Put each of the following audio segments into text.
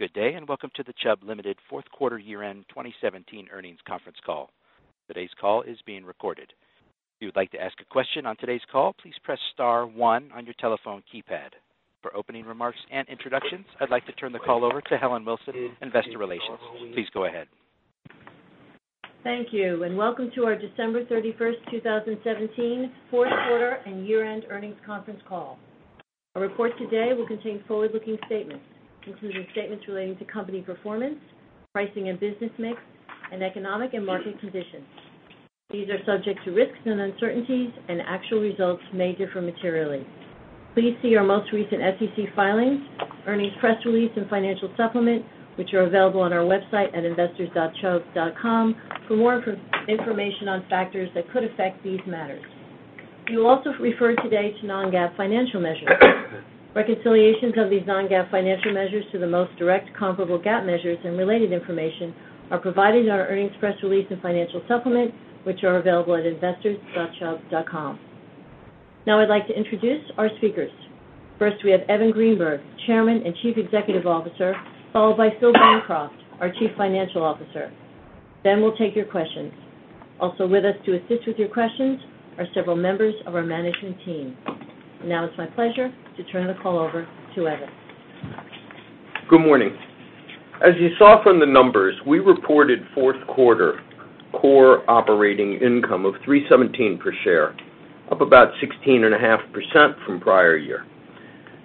Good day. Welcome to the Chubb Limited Fourth Quarter Year-End 2017 Earnings Conference Call. Today's call is being recorded. If you would like to ask a question on today's call, please press star one on your telephone keypad. For opening remarks and introductions, I'd like to turn the call over to Karen Beyer, Investor Relations. Please go ahead. Thank you. Welcome to our December 31st, 2017 fourth quarter and year-end earnings conference call. Our report today will contain forward-looking statements, including statements relating to company performance, pricing, and business mix, and economic and market conditions. These are subject to risks and uncertainties, and actual results may differ materially. Please see our most recent SEC filings, earnings press release, and financial supplement, which are available on our website at investors.chubb.com for more information on factors that could affect these matters. We will also refer today to non-GAAP financial measures. Reconciliations of these non-GAAP financial measures to the most direct comparable GAAP measures and related information are provided in our earnings press release and financial supplement, which are available at investors.chubb.com. I'd like to introduce our speakers. First, we have Evan Greenberg, Chairman and Chief Executive Officer, followed by Philip Bancroft, our Chief Financial Officer. We'll take your questions. Also with us to assist with your questions are several members of our management team. It's my pleasure to turn the call over to Evan. Good morning. As you saw from the numbers, we reported fourth quarter core operating income of $317 per share, up about 16.5% from prior year.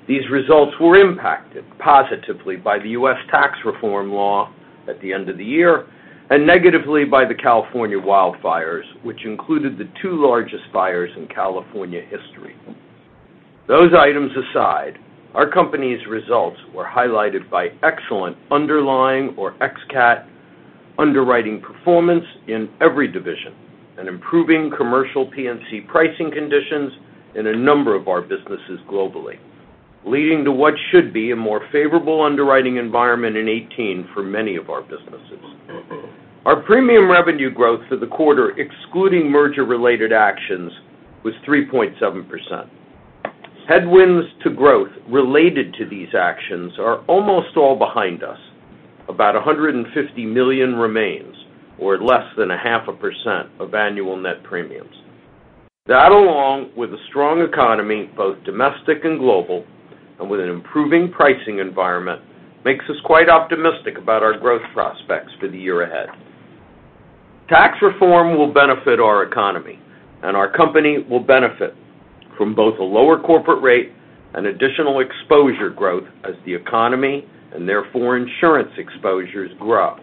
These results were impacted positively by the U.S. tax reform law at the end of the year, and negatively by the California wildfires, which included the two largest fires in California history. Those items aside, our company's results were highlighted by excellent underlying or ex-cat underwriting performance in every division, and improving commercial P&C pricing conditions in a number of our businesses globally, leading to what should be a more favorable underwriting environment in 2018 for many of our businesses. Our premium revenue growth for the quarter, excluding merger-related actions, was 3.7%. Headwinds to growth related to these actions are almost all behind us. About $150 million remains, or less than 0.5% of annual net premiums. That, along with a strong economy, both domestic and global, and with an improving pricing environment, makes us quite optimistic about our growth prospects for the year ahead. Tax reform will benefit our economy, and our company will benefit from both a lower corporate rate and additional exposure growth as the economy and therefore insurance exposures grow.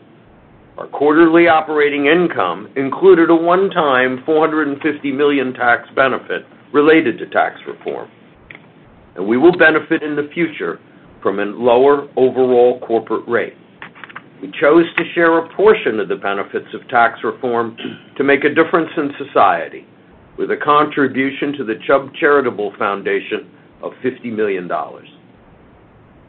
Our quarterly operating income included a one-time $450 million tax benefit related to tax reform. We will benefit in the future from a lower overall corporate rate. We chose to share a portion of the benefits of tax reform to make a difference in society with a contribution to the Chubb Charitable Foundation of $50 million.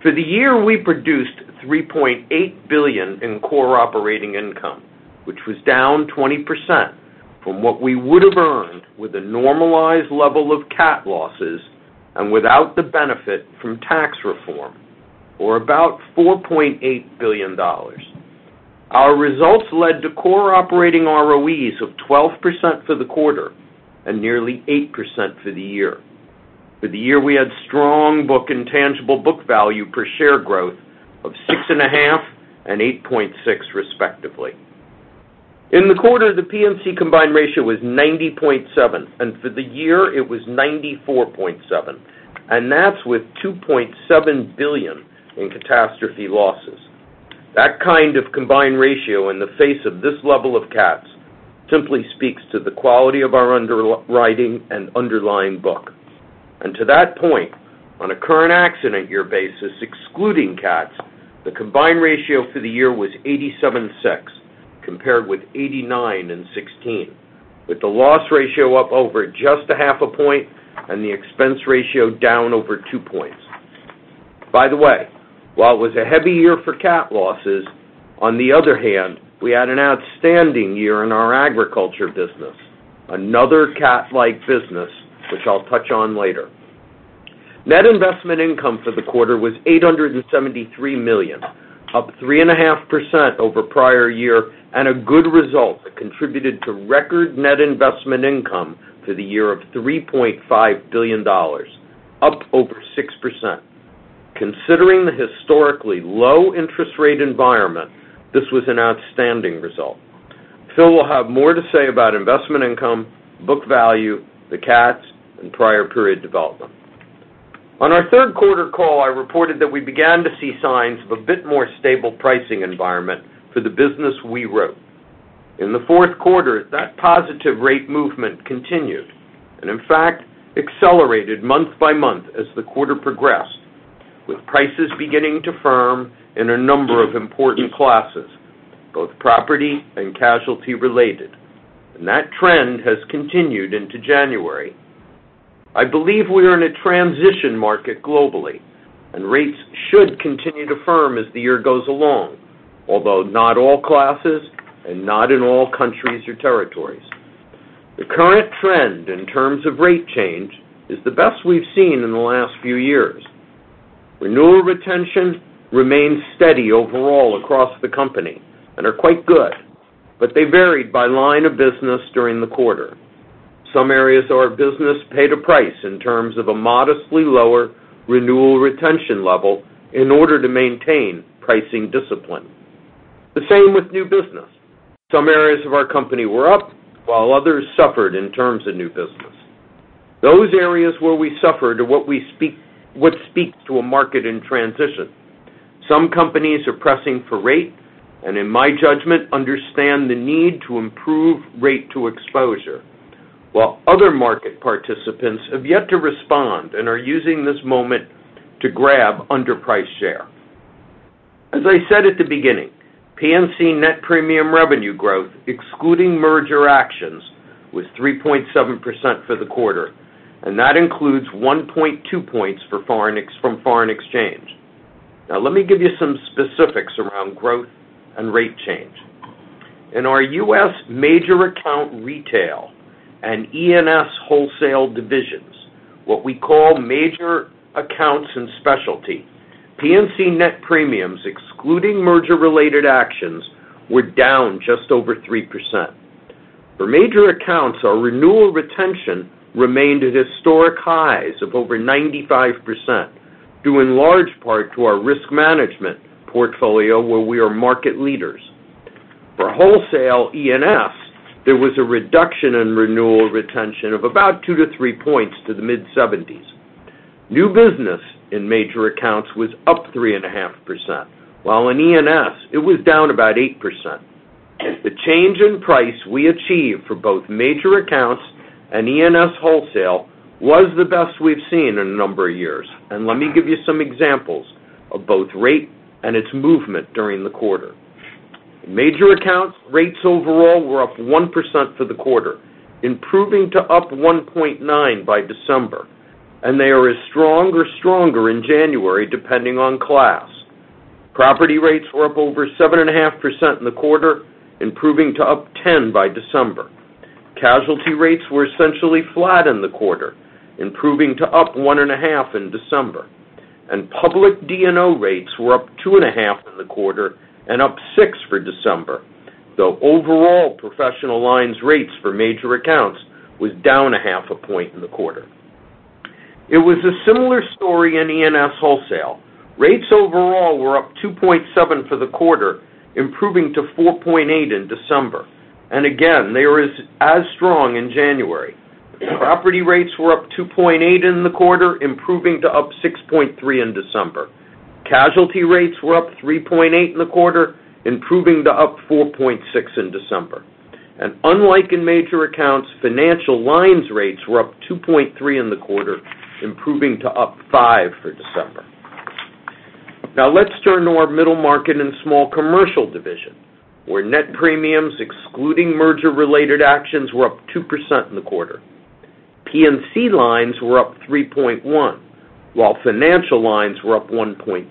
For the year, we produced $3.8 billion in core operating income, which was down 20% from what we would have earned with a normalized level of cat losses and without the benefit from tax reform, or about $4.8 billion. Our results led to core operating ROEs of 12% for the quarter and nearly 8% for the year. For the year, we had strong book and tangible book value per share growth of 6.5 and 8.6 respectively. In the quarter, the P&C combined ratio was 90.7, and for the year, it was 94.7, and that's with $2.7 billion in catastrophe losses. That kind of combined ratio in the face of this level of cats simply speaks to the quality of our underwriting and underlying book. To that point, on a current accident year basis, excluding cats, the combined ratio for the year was 876, compared with 89 in 2016, with the loss ratio up over just 0.5 point and the expense ratio down over two points. By the way, while it was a heavy year for cat losses, on the other hand, we had an outstanding year in our agriculture business, another cat-like business, which I'll touch on later. Net investment income for the quarter was $873 million, up 3.5% over prior year, and a good result that contributed to record net investment income for the year of $3.5 billion, up over 6%. Considering the historically low interest rate environment, this was an outstanding result. Phil will have more to say about investment income, book value, the cats, and prior period development. On our third quarter call, I reported that we began to see signs of a bit more stable pricing environment for the business we wrote. In the fourth quarter, that positive rate movement continued, and in fact, accelerated month by month as the quarter progressed, with prices beginning to firm in a number of important classes, both property and casualty related, and that trend has continued into January. I believe we are in a transition market globally, and rates should continue to firm as the year goes along, although not all classes and not in all countries or territories. The current trend in terms of rate change is the best we've seen in the last few years. Renewal retention remains steady overall across the company and are quite good, but they varied by line of business during the quarter. Some areas of our business paid a price in terms of a modestly lower renewal retention level in order to maintain pricing discipline. The same with new business. Some areas of our company were up while others suffered in terms of new business. Those areas where we suffered are what speaks to a market in transition. Some companies are pressing for rate, and in my judgment, understand the need to improve rate to exposure, while other market participants have yet to respond and are using this moment to grab underpriced share. As I said at the beginning, P&C net premium revenue growth, excluding merger actions, was 3.7% for the quarter, and that includes 1.2 points from foreign exchange. Now let me give you some specifics around growth and rate change. In our U.S. Major Account Retail and E&S Wholesale divisions, what we call major accounts and specialty, P&C net premiums, excluding merger-related actions, were down just over 3%. For major accounts, our renewal retention remained at historic highs of over 95%, due in large part to our risk management portfolio, where we are market leaders. For wholesale E&S, there was a reduction in renewal retention of about two to three points to the mid-70s. New business in major accounts was up 3.5%, while in E&S, it was down about 8%. The change in price we achieved for both major accounts and E&S wholesale was the best we've seen in a number of years. Let me give you some examples of both rate and its movement during the quarter. Major accounts rates overall were up 1% for the quarter, improving to up 1.9 by December, and they are as strong or stronger in January, depending on class. Property rates were up over 7.5% in the quarter, improving to up 10 by December. Casualty rates were essentially flat in the quarter, improving to up 1.5 in December. Public D&O rates were up 2.5 in the quarter and up six for December, though overall professional lines rates for major accounts was down a half a point in the quarter. It was a similar story in E&S wholesale. Rates overall were up 2.7 for the quarter, improving to 4.8 in December. Again, they are as strong in January. Property rates were up 2.8 in the quarter, improving to up 6.3 in December. Casualty rates were up 3.8 in the quarter, improving to up 4.6 in December. Unlike in major accounts, financial lines rates were up 2.3 in the quarter, improving to up five for December. Now let's turn to our middle market and small commercial division, where net premiums, excluding merger-related actions, were up 2% in the quarter. P&C lines were up 3.1, while financial lines were up 1.2.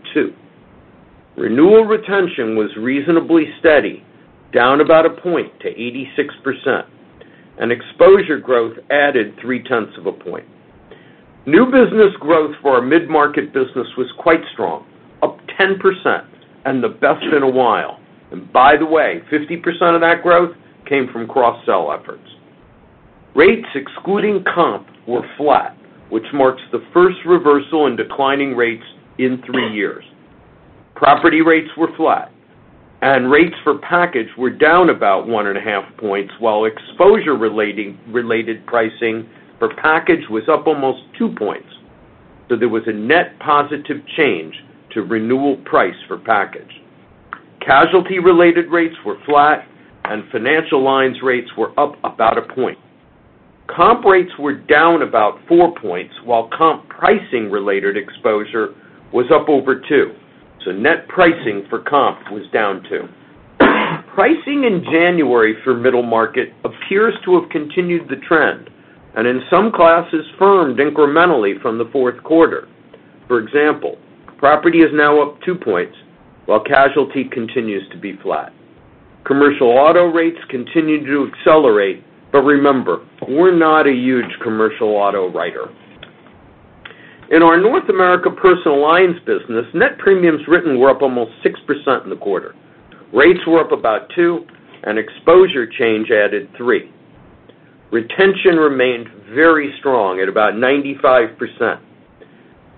Renewal retention was reasonably steady, down about one point to 86%, and exposure growth added three tenths of a point. New business growth for our mid-market business was quite strong, up 10% and the best in a while. By the way, 50% of that growth came from cross-sell efforts. Rates excluding comp were flat, which marks the first reversal in declining rates in three years. Property rates were flat, and rates for package were down about 1.5 points, while exposure-related pricing for package was up almost two points. There was a net positive change to renewal price for package. Casualty-related rates were flat, and financial lines rates were up about 1 point. Comp rates were down about 4 points, while comp pricing-related exposure was up over 2, so net pricing for comp was down 2. Pricing in January for middle market appears to have continued the trend, and in some classes firmed incrementally from the fourth quarter. For example, property is now up 2 points while casualty continues to be flat. Commercial auto rates continue to accelerate, but remember, we're not a huge commercial auto writer. In our North America personal lines business, net premiums written were up almost 6% in the quarter. Rates were up about 2, and exposure change added 3. Retention remained very strong at about 95%,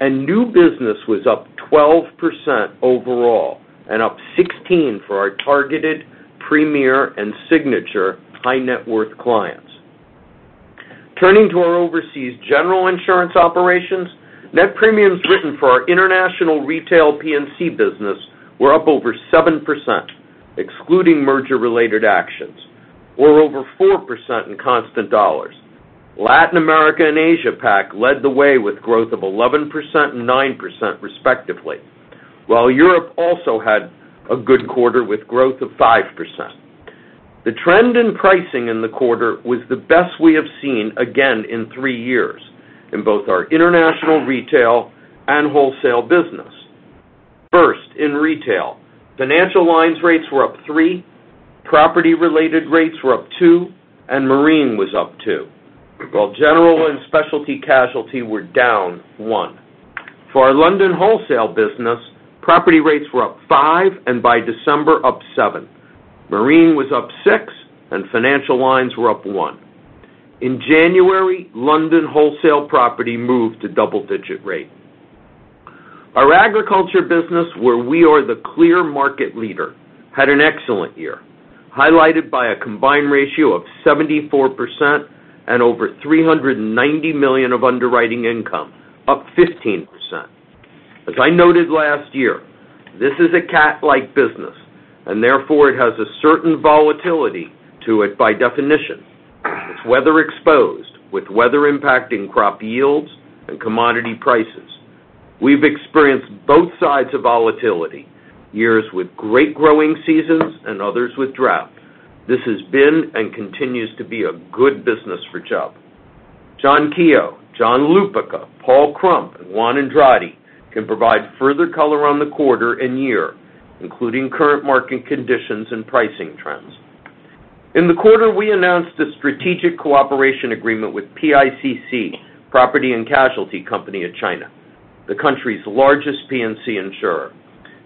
and new business was up 12% overall and up 16% for our targeted premier and signature high net worth clients. Turning to our overseas general insurance operations, net premiums written for our international retail P&C business were up over 7%, excluding merger-related actions, or over 4% in constant dollars. Latin America and Asia Pac led the way with growth of 11% and 9% respectively, while Europe also had a good quarter with growth of 5%. The trend in pricing in the quarter was the best we have seen, again, in 3 years in both our international retail and wholesale business. First, in retail, financial lines rates were up 3, property-related rates were up 2, and marine was up 2, while general and specialty casualty were down 1. For our London wholesale business, property rates were up 5, and by December, up 7. Marine was up 6, and financial lines were up 1. In January, London wholesale property moved to double-digit rate. Our agriculture business, where we are the clear market leader, had an excellent year, highlighted by a combined ratio of 74% and over $390 million of underwriting income, up 15%. As I noted last year, this is a cat-like business, and therefore, it has a certain volatility to it by definition. It's weather exposed, with weather impacting crop yields and commodity prices. We've experienced both sides of volatility, years with great growing seasons and others with drought. This has been and continues to be a good business for Chubb. John Keogh, John Lupica, Paul Krump, and Juan Andrade can provide further color on the quarter and year, including current market conditions and pricing trends. In the quarter, we announced a strategic cooperation agreement with PICC Property and Casualty Company Limited, the country's largest P&C insurer.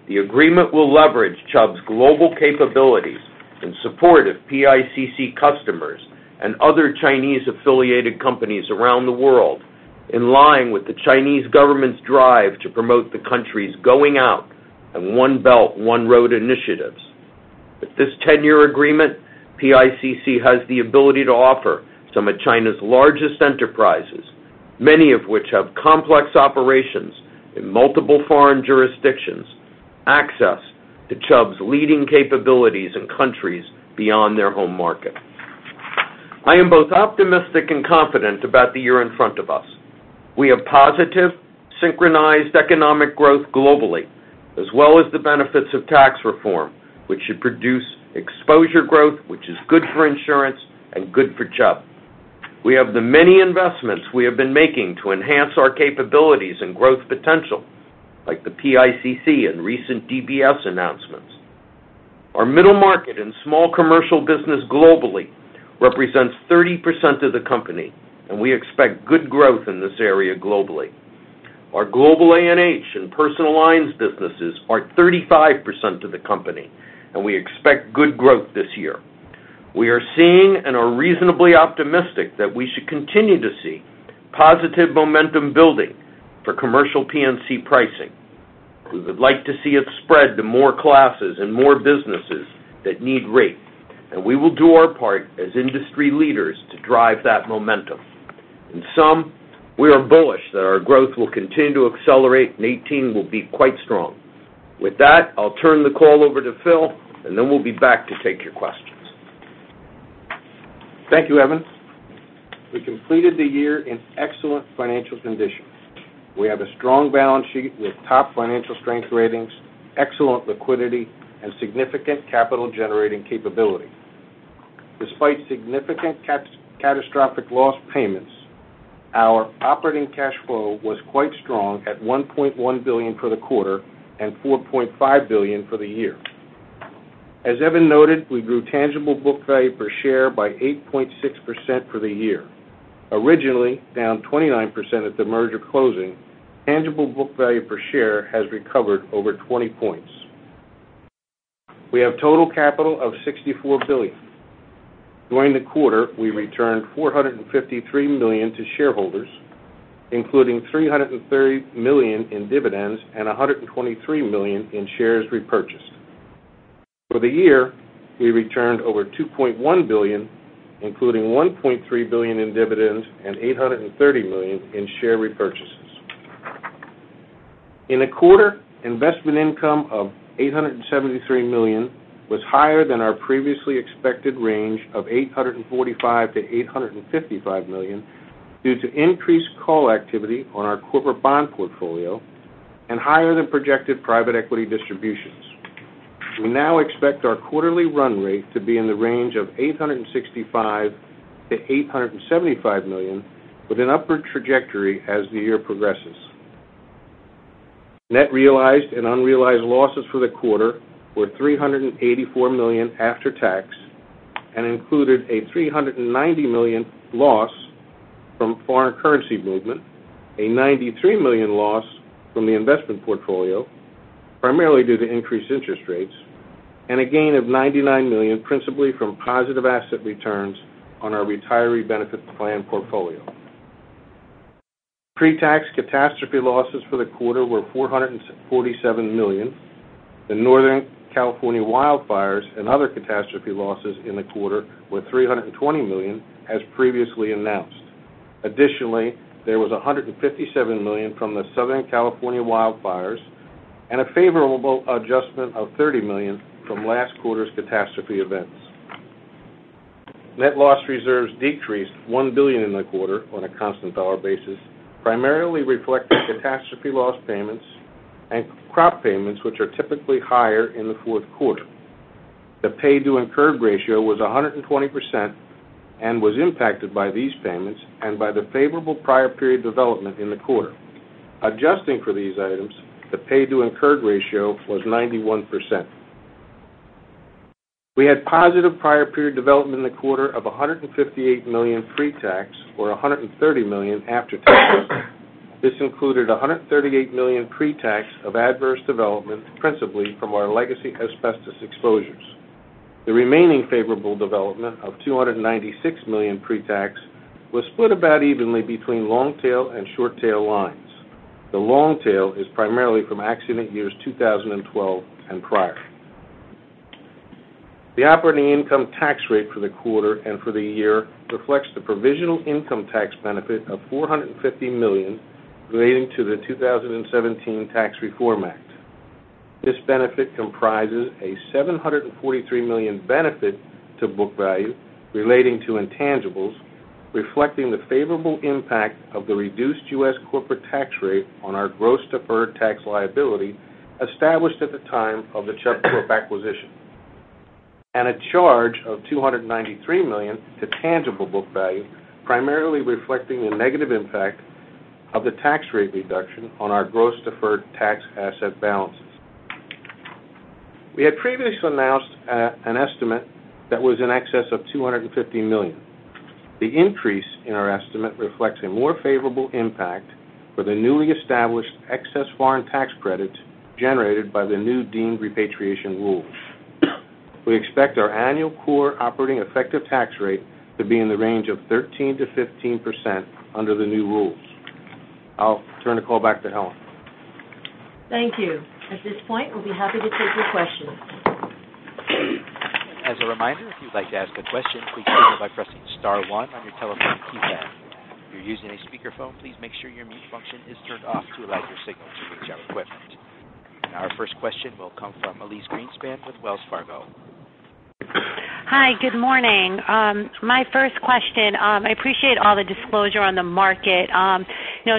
The agreement will leverage Chubb's global capabilities in support of PICC customers and other Chinese-affiliated companies around the world, in line with the Chinese government's drive to promote the country's going out and One Belt, One Road initiatives. With this 10-year agreement, PICC has the ability to offer some of China's largest enterprises, many of which have complex operations in multiple foreign jurisdictions, access to Chubb's leading capabilities in countries beyond their home market. I am both optimistic and confident about the year in front of us. We have positive, synchronized economic growth globally, as well as the benefits of tax reform, which should produce exposure growth, which is good for insurance and good for Chubb. We have the many investments we have been making to enhance our capabilities and growth potential, like the PICC and recent DBS announcements. Our middle market and small commercial business globally represents 30% of the company, and we expect good growth in this area globally. Our global A&H and personal lines businesses are 35% of the company, and we expect good growth this year. We are seeing and are reasonably optimistic that we should continue to see positive momentum building for commercial P&C pricing. We would like to see it spread to more classes and more businesses that need rates. We will do our part as industry leaders to drive that momentum. In sum, we are bullish that our growth will continue to accelerate, 2018 will be quite strong. With that, I'll turn the call over to Phil. We'll be back to take your questions. Thank you, Evan. We completed the year in excellent financial conditions. We have a strong balance sheet with top financial strength ratings, excellent liquidity, and significant capital-generating capability. Despite significant catastrophic loss payments, our operating cash flow was quite strong at $1.1 billion for the quarter and $4.5 billion for the year. As Evan noted, we grew tangible book value per share by 8.6% for the year. Originally down 29% at the merger closing, tangible book value per share has recovered over 20 points. We have total capital of $64 billion. During the quarter, we returned $453 million to shareholders, including $330 million in dividends and $123 million in shares repurchased. For the year, we returned over $2.1 billion, including $1.3 billion in dividends and $830 million in share repurchases. In the quarter, investment income of $873 million was higher than our previously expected range of $845 million-$855 million due to increased call activity on our corporate bond portfolio and higher than projected private equity distributions. We now expect our quarterly run rate to be in the range of $865 million-$875 million, with an upward trajectory as the year progresses. Net realized and unrealized losses for the quarter were $384 million after tax and included a $390 million loss from foreign currency movement, a $93 million loss from the investment portfolio, primarily due to increased interest rates, and a gain of $99 million, principally from positive asset returns on our retiree benefit plan portfolio. Pre-tax catastrophe losses for the quarter were $447 million. The Northern California wildfires and other catastrophe losses in the quarter were $320 million, as previously announced. Additionally, there was $157 million from the Southern California wildfires and a favorable adjustment of $30 million from last quarter's catastrophe events. Net loss reserves decreased $1 billion in the quarter on a constant dollar basis, primarily reflecting catastrophe loss payments and crop payments, which are typically higher in the fourth quarter. The pay to incurred ratio was 120% and was impacted by these payments and by the favorable prior period development in the quarter. Adjusting for these items, the pay to incurred ratio was 91%. We had positive prior period development in the quarter of $158 million pre-tax or $130 million after tax. This included $138 million pre-tax of adverse development, principally from our legacy asbestos exposures. The remaining favorable development of $296 million pre-tax was split about evenly between long-tail and short-tail lines. The long tail is primarily from accident years 2012 and prior. The operating income tax rate for the quarter and for the year reflects the provisional income tax benefit of $450 million relating to the 2017 Tax Reform Act. This benefit comprises a $743 million benefit to book value relating to intangibles, reflecting the favorable impact of the reduced U.S. corporate tax rate on our gross deferred tax liability established at the time of the Chubb Corp acquisition. A charge of $293 million to tangible book value, primarily reflecting the negative impact of the tax rate reduction on our gross deferred tax asset balances. We had previously announced an estimate that was in excess of $250 million. The increase in our estimate reflects a more favorable impact for the newly established excess foreign tax credits generated by the new deemed repatriation rules. We expect our annual core operating effective tax rate to be in the range of 13%-15% under the new rules. I'll turn the call back to Karen. Thank you. At this point, we'll be happy to take your questions. As a reminder, if you'd like to ask a question, please signal by pressing star one on your telephone keypad. If you're using a speakerphone, please make sure your mute function is turned off to allow your signal to reach our equipment. Our first question will come from Elyse Greenspan with Wells Fargo. Hi. Good morning. My first question, I appreciate all the disclosure on the market.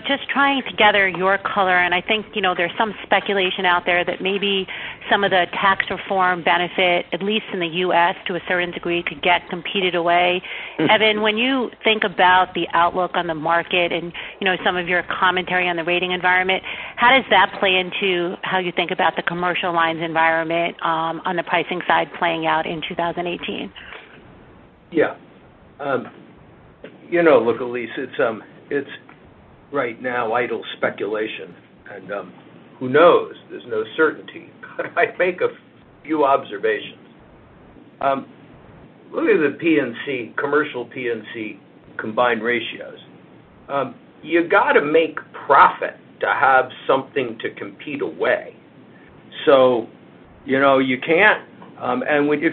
Just trying to gather your color, and I think there's some speculation out there that maybe some of the tax reform benefit, at least in the U.S. to a certain degree, could get competed away. Evan, when you think about the outlook on the market and some of your commentary on the rating environment, how does that play into how you think about the commercial lines environment on the pricing side playing out in 2018? Yeah. Look, Elyse, it's right now idle speculation and who knows? There's no certainty. I'd make a few observations. Looking at the commercial P&C combined ratios, you got to make profit to have something to compete away. If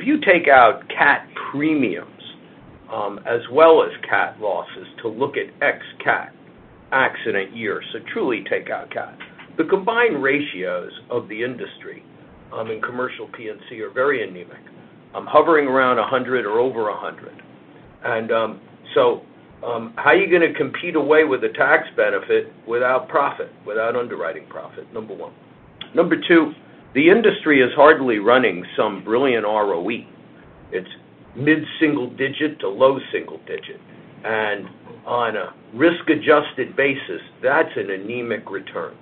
you take out cat premiums as well as cat losses to look at ex-cat accident year, so truly take out cat, the combined ratios of the industry in commercial P&C are very anemic. Hovering around 100 or over 100. How are you going to compete away with a tax benefit without underwriting profit? Number one. Number two, the industry is hardly running some brilliant ROE. It's mid-single digit to low single digit. On a risk-adjusted basis, that's an anemic return.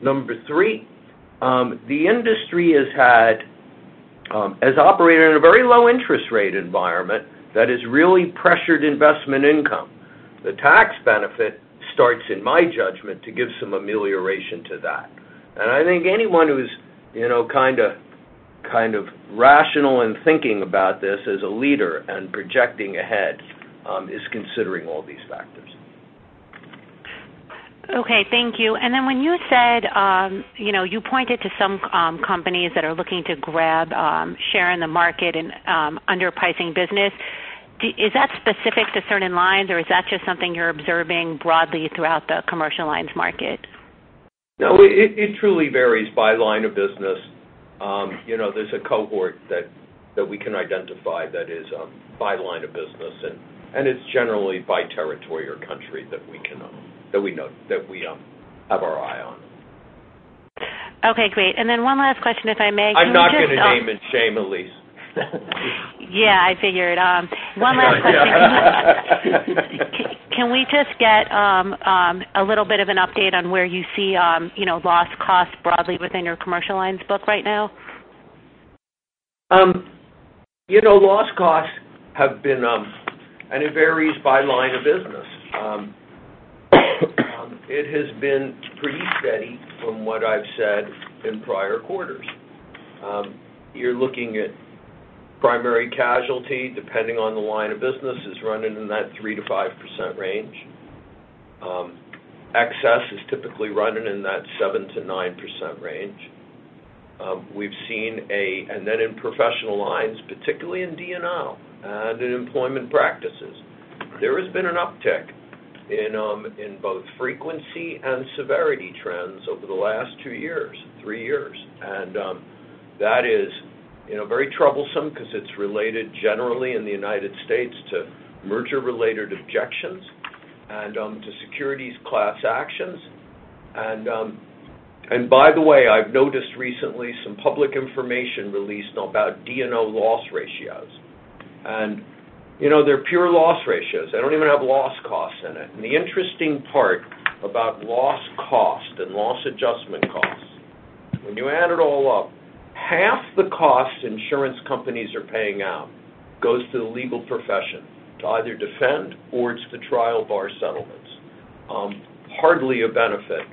Number three, the industry has operated in a very low interest rate environment that has really pressured investment income. The tax benefit starts, in my judgment, to give some amelioration to that. I think anyone who's kind of rational in thinking about this as a leader and projecting ahead is considering all these factors. Okay. Thank you. When you pointed to some companies that are looking to grab share in the market in underpricing business, is that specific to certain lines or is that just something you're observing broadly throughout the commercial lines market? No, it truly varies by line of business. There's a cohort that we can identify that is by line of business, and it's generally by territory or country that we have our eye on. Okay, great. Then one last question, if I may. I'm not going to name and shame, Elyse. Yeah, I figured. One last question. Yeah. Can we just get a little bit of an update on where you see loss costs broadly within your commercial lines book right now? Loss costs have been, it varies by line of business. It has been pretty steady from what I've said in prior quarters. You're looking at primary casualty, depending on the line of business, is running in that 3%-5% range. Excess is typically running in that 7%-9% range. In professional lines, particularly in D&O and in employment practices, there has been an uptick in both frequency and severity trends over the last two years, three years. That is very troublesome because it's related generally in the U.S. to merger-related objections and to securities class actions and By the way, I've noticed recently some public information released about D&O loss ratios. They're pure loss ratios. They don't even have loss costs in it. The interesting part about loss cost and loss adjustment costs, when you add it all up, half the cost insurance companies are paying out goes to the legal profession to either defend or it's the trial bar settlements. Hardly a benefit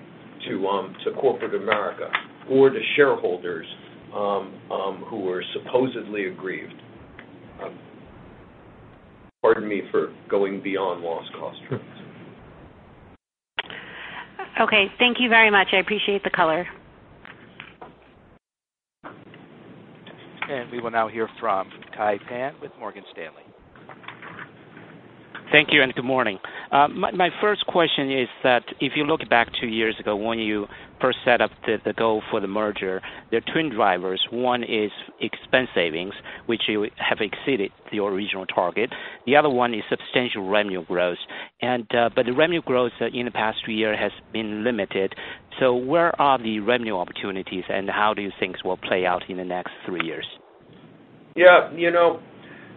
to corporate America or to shareholders who were supposedly aggrieved. Pardon me for going beyond loss cost trends. Okay. Thank you very much. I appreciate the color. We will now hear from Kai Pan with Morgan Stanley. Thank you, and good morning. My first question is that if you look back 2 years ago when you first set up the goal for the merger, there are twin drivers. One is expense savings, which you have exceeded your original target. The other one is substantial revenue growth. The revenue growth in the past 3 years has been limited. Where are the revenue opportunities, and how do you think will play out in the next 3 years? Yeah.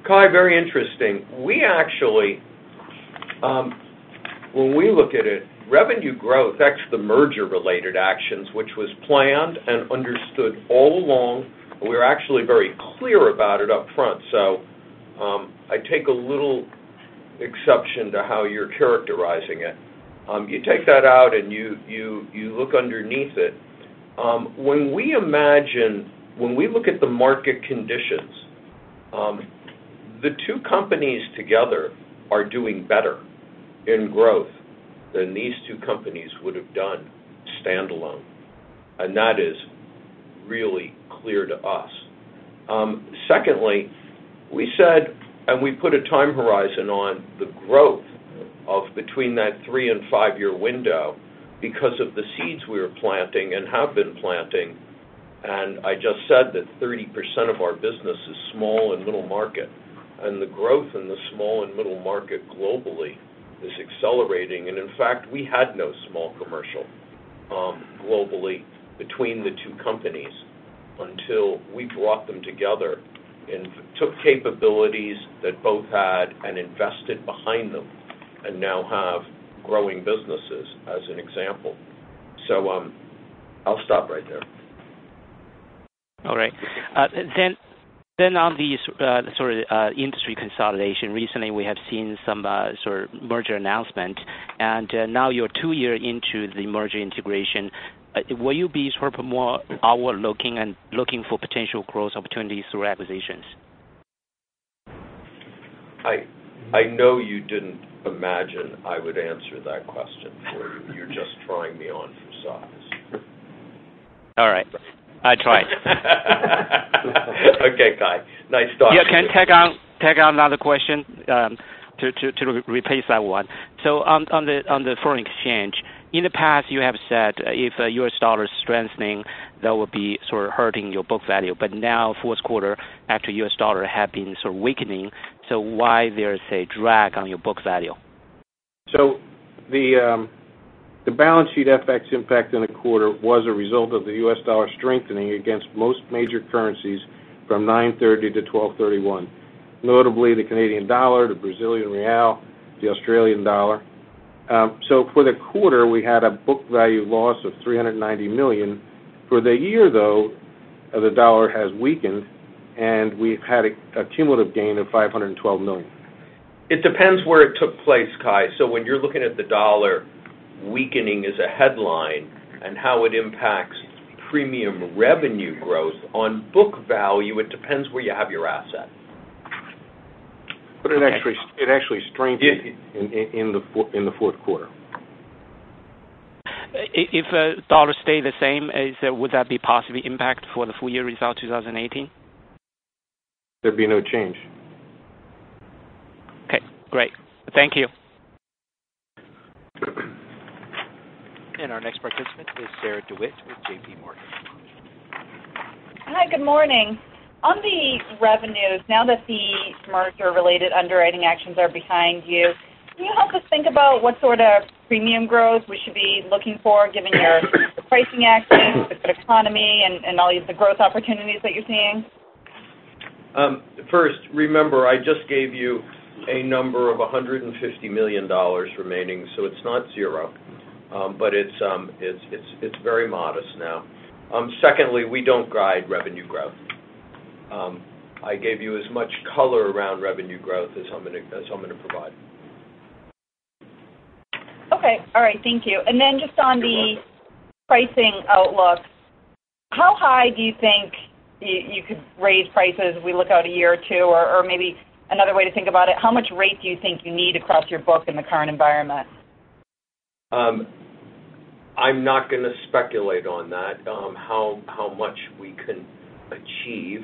Kai, very interesting. When we look at it, revenue growth, that's the merger-related actions, which was planned and understood all along. We were actually very clear about it up front. I take a little exception to how you're characterizing it. You take that out, and you look underneath it. When we look at the market conditions, the 2 companies together are doing better in growth than these 2 companies would have done standalone, and that is really clear to us. Secondly, we said, and we put a time horizon on the growth of between that 3 and 5-year window because of the seeds we were planting and have been planting, and I just said that 30% of our business is small and middle market, and the growth in the small and middle market globally is accelerating. In fact, we had no small commercial globally between the 2 companies until we brought them together and took capabilities that both had and invested behind them and now have growing businesses as an example. I'll stop right there. All right. On the industry consolidation, recently, we have seen some sort of merger announcement, and now you're two years into the merger integration. Will you be more outward-looking and looking for potential growth opportunities through acquisitions? I know you didn't imagine I would answer that question for you. You're just trying me on for size. All right. I tried. Okay, Kai. Nice talking to you. Can I tag on another question to replace that one? On the foreign exchange. In the past, you have said if U.S. dollar is strengthening, that would be sort of hurting your book value. Now fourth quarter after U.S. dollar have been sort of weakening, why there is a drag on your book value? The balance sheet FX impact in a quarter was a result of the U.S. dollar strengthening against most major currencies from 9/30 to 12/31, notably the Canadian dollar, the Brazilian real, the Australian dollar. For the quarter, we had a book value loss of $390 million. For the year, though, the dollar has weakened, and we've had a cumulative gain of $512 million. It depends where it took place, Kai. When you're looking at the dollar weakening as a headline and how it impacts premium revenue growth, on book value, it depends where you have your asset. It actually strengthened in the fourth quarter. If dollars stays the same, would that be positive impact for the full year result 2018? There'd be no change. Okay, great. Thank you. Our next participant is Sarah DeWitt with J.P. Morgan. Hi, good morning. On the revenues, now that the merger-related underwriting actions are behind you, can you help us think about what sort of premium growth we should be looking for given your pricing actions, the good economy, and all these growth opportunities that you're seeing? First, remember, I just gave you a number of $150 million remaining, it's not zero. It's very modest now. Secondly, we don't guide revenue growth. I gave you as much color around revenue growth as I'm going to provide. Okay. All right. Thank you. You're welcome. Just on the pricing outlook, how high do you think you could raise prices if we look out a year or two? Or maybe another way to think about it, how much rate do you think you need across your book in the current environment? I'm not going to speculate on that, how much we can achieve.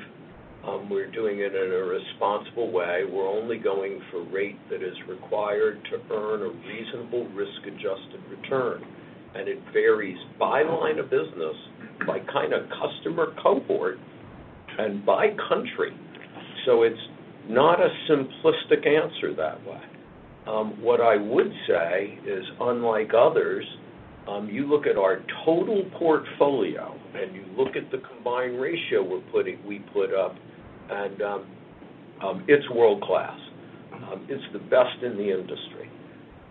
We're doing it in a responsible way. We're only going for rate that is required to earn a reasonable risk-adjusted return, and it varies by line of business, by kind of customer cohort. By country. It's not a simplistic answer that way. What I would say is, unlike others, you look at our total portfolio and you look at the combined ratio we put up, it's world-class. It's the best in the industry.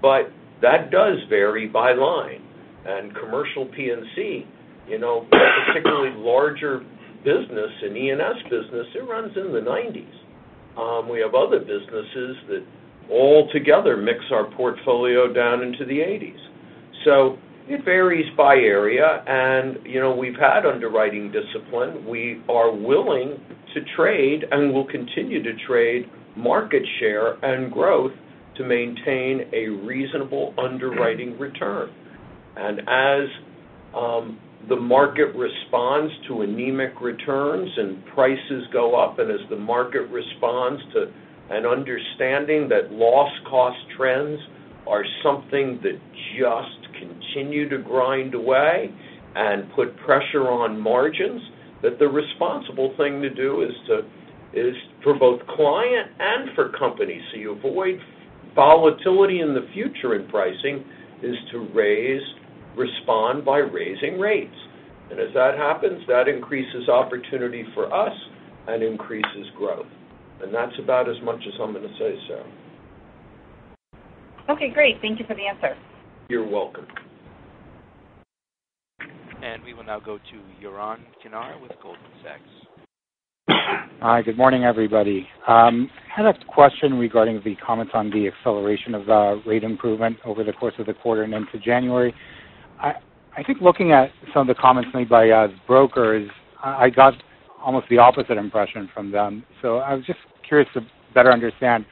That does vary by line and commercial P&C, particularly larger business and E&S business, it runs in the 90s. We have other businesses that all together mix our portfolio down into the 80s. It varies by area, we've had underwriting discipline. We are willing to trade and will continue to trade market share and growth to maintain a reasonable underwriting return. As the market responds to anemic returns and prices go up, and as the market responds to an understanding that loss cost trends are something that just continue to grind away and put pressure on margins, that the responsible thing to do is for both client and for company, so you avoid volatility in the future in pricing, is to respond by raising rates. As that happens, that increases opportunity for us and increases growth. That's about as much as I'm going to say, Sarah. Okay, great. Thank you for the answer. You're welcome. We will now go to Yaron Kinar with Goldman Sachs. Hi, good morning, everybody. I had a question regarding the comments on the acceleration of rate improvement over the course of the quarter and into January. I think looking at some of the comments made by brokers, I got almost the opposite impression from them. I was just curious to better understand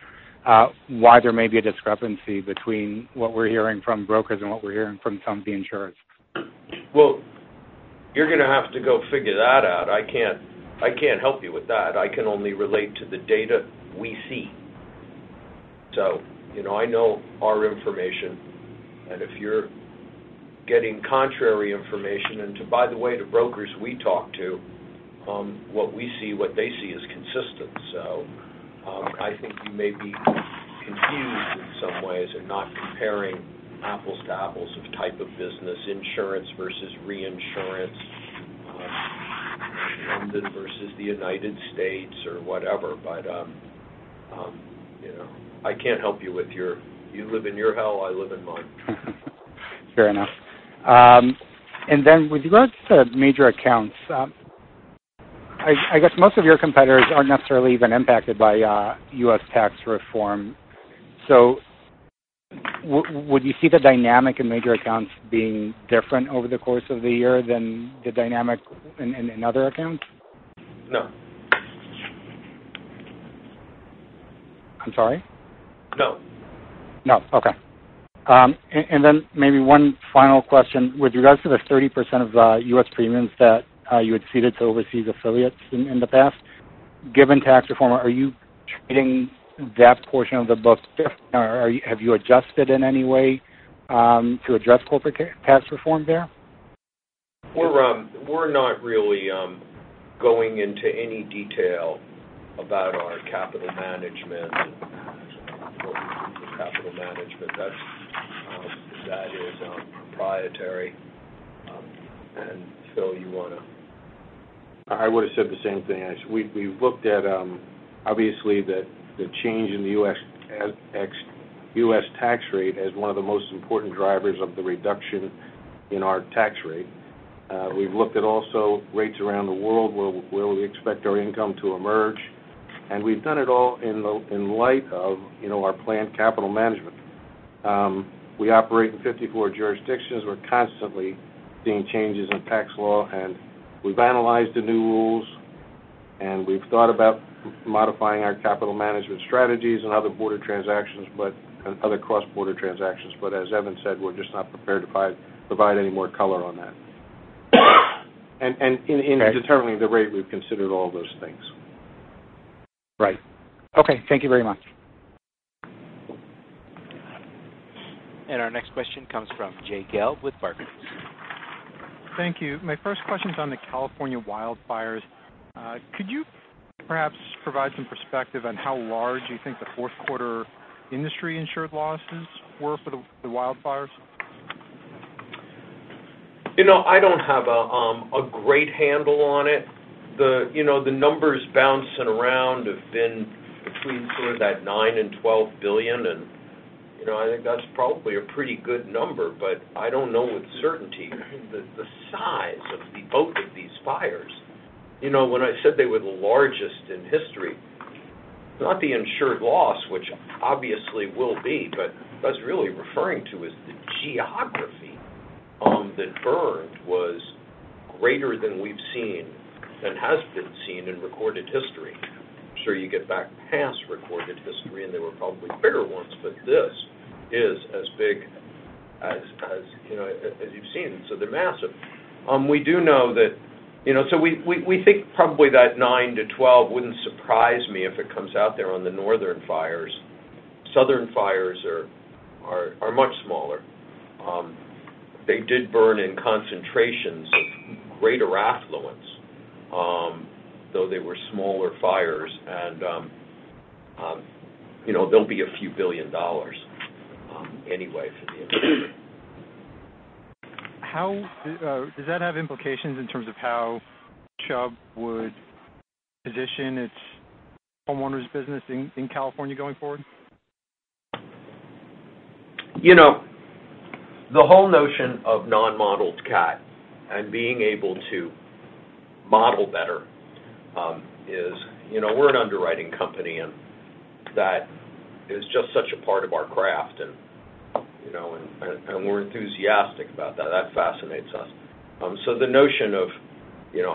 why there may be a discrepancy between what we're hearing from brokers and what we're hearing from some of the insurers. Well, you're going to have to go figure that out. I can't help you with that. I can only relate to the data we see. I know our information, and if you're getting contrary information, and by the way, the brokers we talk to, what we see, what they see is consistent. I think you may be confused in some ways and not comparing apples to apples of type of business, insurance versus reinsurance, London versus the U.S. or whatever. I can't help you with your You live in your hell, I live in mine. Fair enough. With regards to major accounts, I guess most of your competitors aren't necessarily even impacted by U.S. tax reform. Would you see the dynamic in major accounts being different over the course of the year than the dynamic in other accounts? No. I'm sorry? No. No. Okay. Maybe one final question. With regards to the 30% of U.S. premiums that you had ceded to overseas affiliates in the past, given tax reform, are you treating that portion of the book different, or have you adjusted in any way to address corporate tax reform there? We're not really going into any detail about our capital management and what we do for capital management. That is proprietary. Phil. I would've said the same thing. We looked at, obviously, the change in the U.S. tax rate as one of the most important drivers of the reduction in our tax rate. We've looked at also rates around the world where we expect our income to emerge, and we've done it all in light of our planned capital management. We operate in 54 jurisdictions. We're constantly seeing changes in tax law, and we've analyzed the new rules, and we've thought about modifying our capital management strategies and other cross-border transactions. As Evan said, we're just not prepared to provide any more color on that. Okay. In determining the rate, we've considered all those things. Right. Okay. Thank you very much. Our next question comes from Jay Gelb with Barclays. Thank you. My first question's on the California wildfires. Could you perhaps provide some perspective on how large you think the fourth quarter industry insured losses were for the wildfires? I don't have a great handle on it. The numbers bouncing around have been between sort of that $9 billion and $12 billion, I think that's probably a pretty good number, but I don't know with certainty the size of both of these fires. When I said they were the largest in history, not the insured loss, which obviously will be, but I was really referring to is the geography that burned was greater than we've seen and has been seen in recorded history. I'm sure you get back past recorded history and there were probably bigger ones, but this is as big as you've seen. They're massive. We think probably that $9 billion-$12 billion wouldn't surprise me if it comes out there on the northern fires. Southern fires are much smaller. They did burn in concentrations of greater affluence, though they were smaller fires. There'll be a few billion dollars anyway for the industry. Does that have implications in terms of how Chubb would position its homeowners business in California going forward? The whole notion of non-modeled cat and being able to model better is, we're an underwriting company, that is just such a part of our craft, and we're enthusiastic about that. That fascinates us. The notion of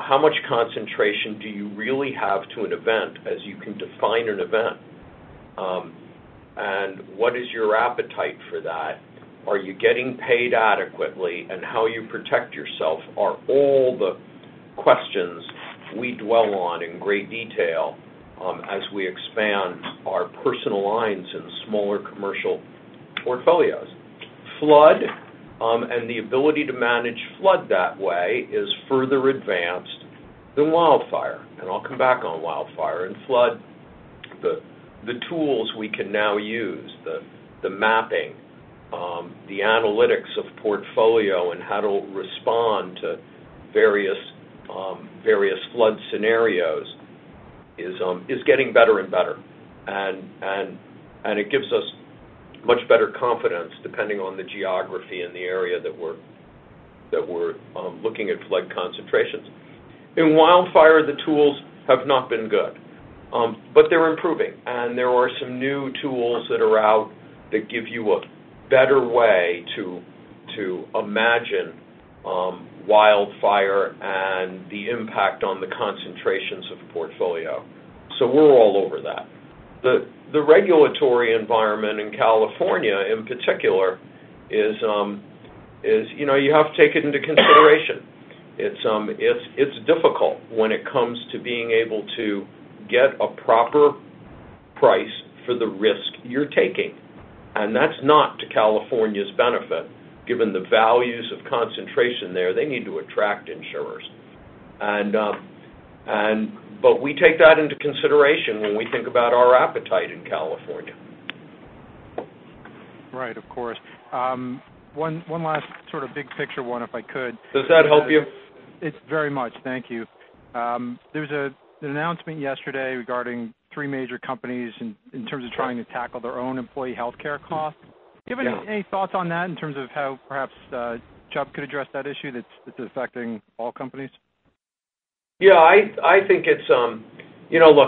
how much concentration do you really have to an event as you can define an event, and what is your appetite for that? Are you getting paid adequately and how you protect yourself are all the questions we dwell on in great detail as we expand our personal lines in smaller commercial portfolios. Flood, and the ability to manage flood that way is further advanced than wildfire. I'll come back on wildfire. Flood, the tools we can now use, the mapping, the analytics of portfolio and how to respond to various flood scenarios is getting better and better. It gives us much better confidence depending on the geography and the area that we're looking at flood concentrations. In wildfire, the tools have not been good. They're improving, and there are some new tools that are out that give you a better way to imagine wildfire and the impact on the concentrations of a portfolio. We're all over that. The regulatory environment in California, in particular, you have to take it into consideration. It's difficult when it comes to being able to get a proper price for the risk you're taking. That's not to California's benefit, given the values of concentration there. They need to attract insurers. We take that into consideration when we think about our appetite in California. Right, of course. One last sort of big picture one, if I could. Does that help you? Very much. Thank you. There was an announcement yesterday regarding three major companies in terms of trying to tackle their own employee healthcare costs. Yeah. Do you have any thoughts on that in terms of how perhaps Chubb could address that issue that's affecting all companies? Yeah. Look,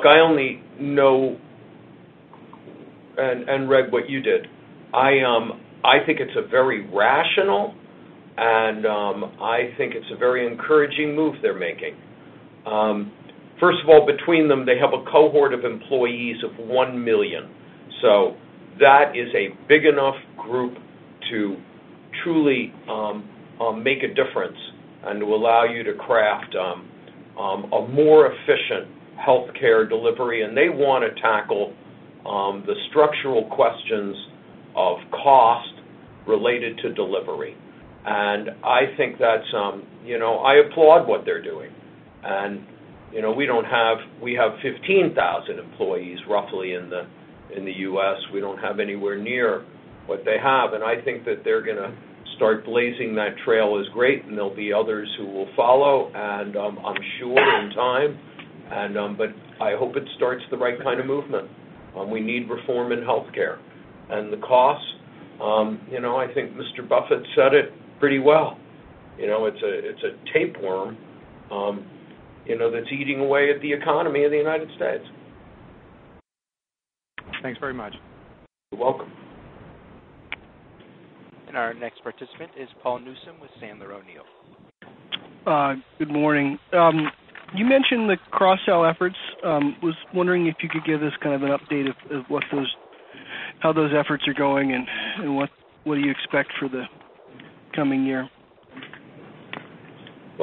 I only know and read what you did. I think it's a very rational, and I think it's a very encouraging move they're making. First of all, between them, they have a cohort of employees of 1 million. That is a big enough group to truly make a difference and to allow you to craft a more efficient healthcare delivery. They want to tackle the structural questions of cost related to delivery. I applaud what they're doing. We have 15,000 employees roughly in the U.S. We don't have anywhere near what they have, and I think that they're going to start blazing that trail is great, and there'll be others who will follow, and I'm sure in time. I hope it starts the right kind of movement. We need reform in healthcare and the costs. I think Mr. Buffett said it pretty well. It's a tapeworm that's eating away at the economy of the United States. Thanks very much. You're welcome. Our next participant is Paul Newsome with Sandler O'Neill. Good morning. You mentioned the cross-sell efforts. I was wondering if you could give us kind of an update of how those efforts are going and what do you expect for the coming year.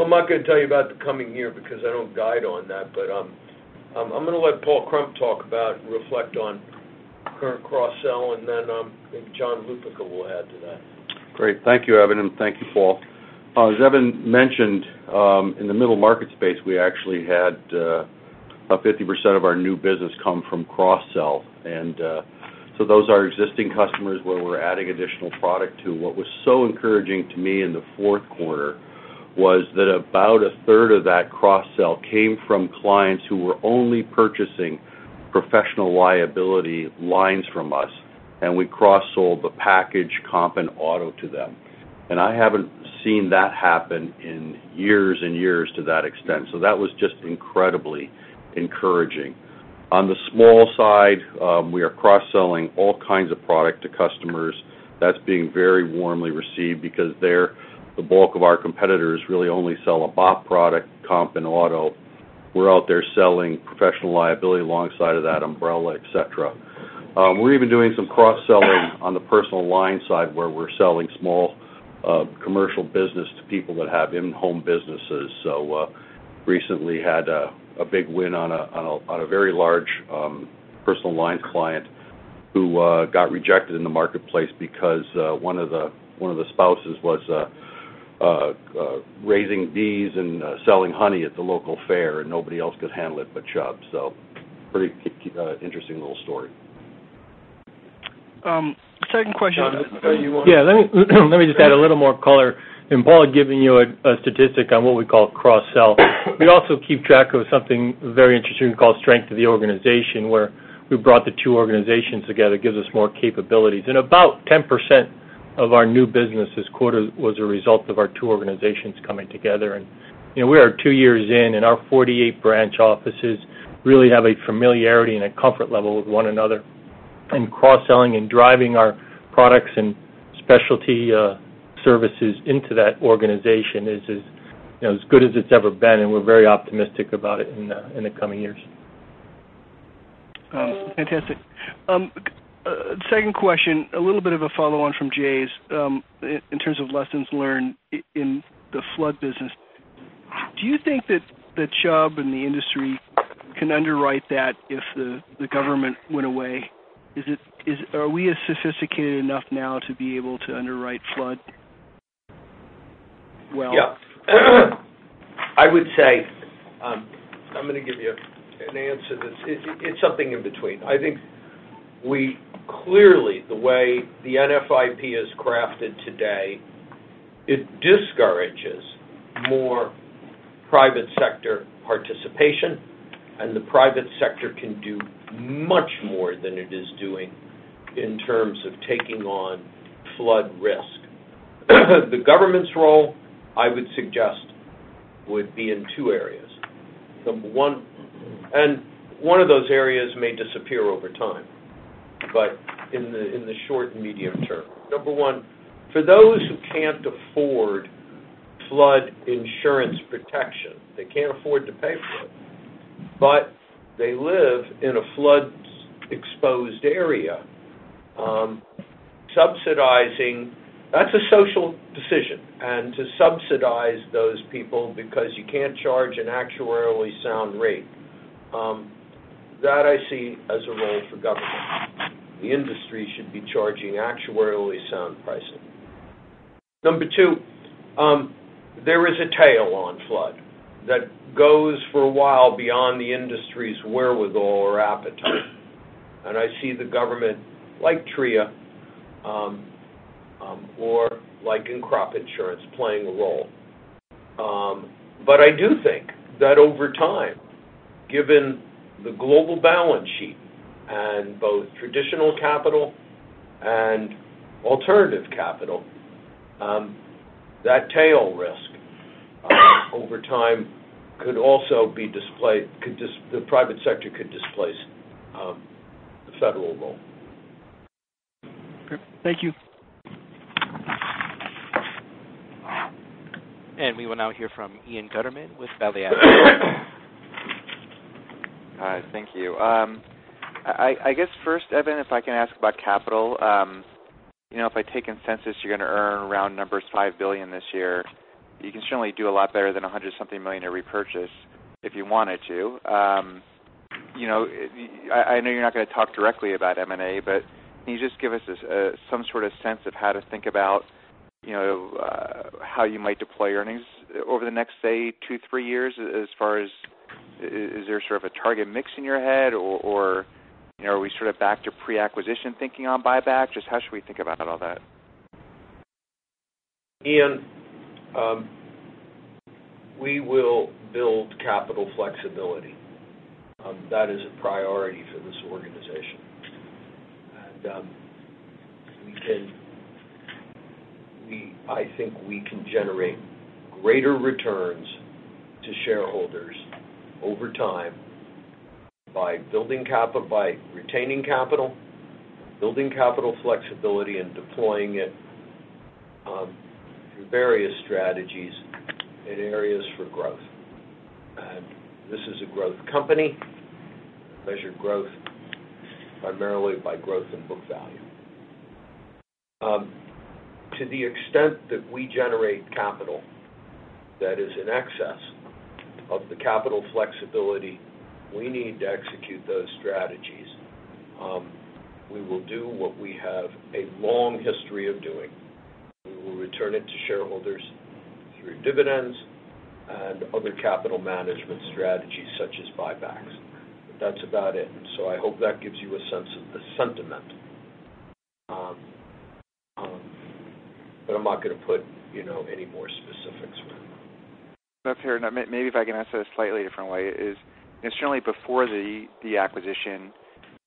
I'm not going to tell you about the coming year because I don't guide on that. I'm going to let Paul Krump talk about and reflect on current cross-sell, and then maybe John Lupica will add to that. Great. Thank you, Evan, and thank you, Paul. As Evan mentioned, in the middle market space, we actually had about 50% of our new business come from cross-sell. Those are existing customers where we're adding additional product to. What was so encouraging to me in the fourth quarter was that about a third of that cross-sell came from clients who were only purchasing professional liability lines from us, and we cross-sold the package comp and auto to them. I haven't seen that happen in years and years to that extent. That was just incredibly encouraging. On the small side, we are cross-selling all kinds of product to customers. That's being very warmly received because there, the bulk of our competitors really only sell a BOP product, comp, and auto. We're out there selling professional liability alongside of that umbrella, et cetera. We're even doing some cross-selling on the personal line side where we're selling small commercial business to people that have in-home businesses. Recently had a big win on a very large personal line client. Who got rejected in the marketplace because one of the spouses was raising bees and selling honey at the local fair, nobody else could handle it but Chubb. Pretty interesting little story. Second question. John, you want to? Yeah. Let me just add a little more color. Paul giving you a statistic on what we call cross-sell. We also keep track of something very interesting we call strength of the organization, where we brought the two organizations together, gives us more capabilities. About 10% of our new business this quarter was a result of our two organizations coming together, and we are two years in, and our 48 branch offices really have a familiarity and a comfort level with one another. Cross-selling and driving our products and specialty services into that organization is as good as it's ever been, and we're very optimistic about it in the coming years. Fantastic. Second question, a little bit of a follow-on from Jay's, in terms of lessons learned in the flood business. Do you think that Chubb and the industry can underwrite that if the government went away? Are we sophisticated enough now to be able to underwrite flood well? Yeah. I would say, I'm going to give you an answer that's it's something in between. I think we clearly, the way the NFIP is crafted today, it discourages more private sector participation, and the private sector can do much more than it is doing in terms of taking on flood risk. The government's role, I would suggest, would be in two areas. Number one-- and one of those areas may disappear over time, but in the short and medium term. Number one, for those who can't afford flood insurance protection, they can't afford to pay for it, but they live in a flood-exposed area. That's a social decision, and to subsidize those people because you can't charge an actuarially sound rate, that I see as a role for government. The industry should be charging actuarially sound pricing. Number two, there is a tail on flood that goes for a while beyond the industry's wherewithal or appetite. I see the government, like TRIA, or like in crop insurance, playing a role. I do think that over time, given the global balance sheet and both traditional capital and alternative capital, the private sector could displace the federal role. Great. Thank you. We will now hear from Ian Gutterman with Balyasny. Hi. Thank you. I guess first, Evan, if I can ask about capital. If I take consensus, you're going to earn around $5 billion this year. You can certainly do a lot better than $100 something million to repurchase if you wanted to. I know you're not going to talk directly about M&A, but can you just give us some sort of sense of how to think about how you might deploy earnings over the next, say, two, three years, as far as is there sort of a target mix in your head, or are we sort of back to pre-acquisition thinking on buyback? Just how should we think about all that? Ian, we will build capital flexibility. That is a priority for this organization. I think we can generate greater returns to shareholders over time by retaining capital, building capital flexibility, and deploying it through various strategies in areas for growth. This is a growth company. I measure growth primarily by growth in book value. To the extent that we generate capital that is in excess of the capital flexibility we need to execute those strategies, we will do what we have a long history of doing. We will return it to shareholders through dividends and other capital management strategies such as buybacks. That's about it. I hope that gives you a sense of the sentiment. I'm not going to put any more specifics around it. That's fair enough. Maybe if I can ask it a slightly different way is, certainly before the acquisition,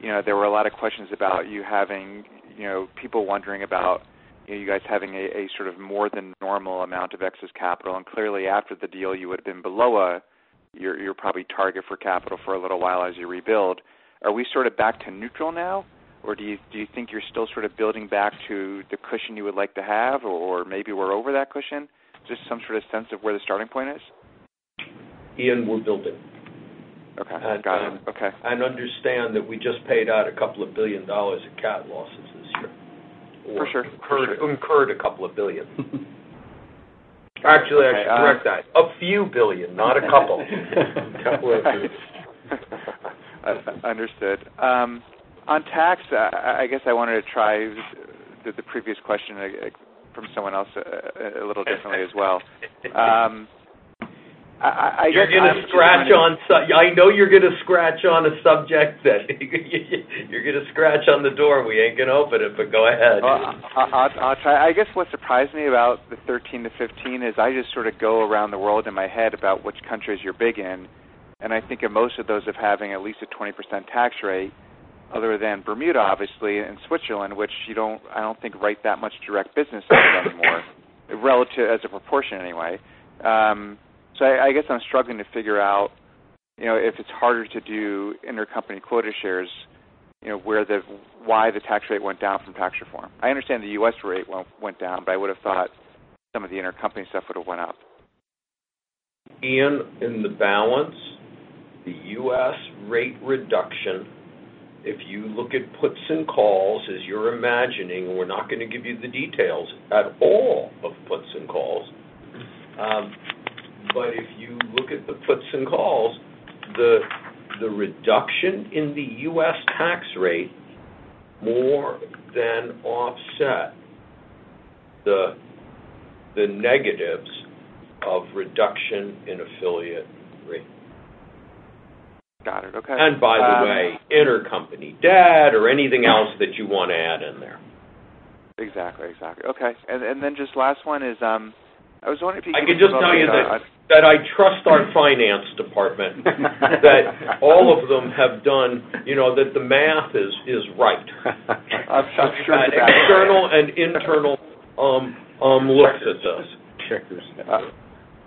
there were a lot of questions about you having people wondering about you guys having a sort of more than normal amount of excess capital, clearly after the deal you would have been below your probably target for capital for a little while as you rebuild. Are we sort of back to neutral now, or do you think you're still sort of building back to the cushion you would like to have, or maybe we're over that cushion? Just some sort of sense of where the starting point is. Ian, we're building. Okay. Got it. Okay. Understand that we just paid out a couple of billion dollars in cat losses For sure. Incurred a couple of billion. Actually, I should correct that. A few billion, not a couple. A couple of billion. Understood. On tax, I guess I wanted to try the previous question from someone else a little differently as well. I know you're going to scratch on a subject that you're going to scratch on the door, and we ain't going to open it, but go ahead. I guess what surprised me about the 13%-15% is I just sort of go around the world in my head about which countries you're big in, and I think in most of those of having at least a 20% tax rate, other than Bermuda, obviously, and Switzerland, which you don't, I don't think, write that much direct business in anymore, as a proportion anyway. I guess I'm struggling to figure out, if it's harder to do intercompany quota shares, why the tax rate went down from tax reform. I understand the U.S. rate went down, but I would have thought some of the intercompany stuff would have went up. Ian, in the balance, the U.S. rate reduction, if you look at puts and calls, as you're imagining, we're not going to give you the details at all of puts and calls. If you look at the puts and calls, the reduction in the U.S. tax rate more than offset the negatives of reduction in affiliate rate. Got it. Okay. By the way, intercompany debt or anything else that you want to add in there. Exactly. Okay. I can just tell you that I trust our finance department, that all of them have done, that the math is right. I'm sure it's right. External and internal looks at this. Checkers.